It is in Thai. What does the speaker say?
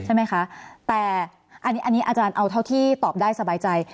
ใช่ไหมคะแต่อันนี้อาจารย์เอาเท่าที่ตอบได้สบายใจ